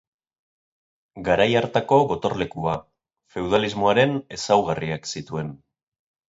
Garai hartako gotorlekua feudalismoaren ezaugarriak zituen.